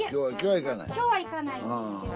いや今日は行かないんですけど。